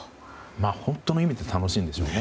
本当の意味で楽しいんでしょうね。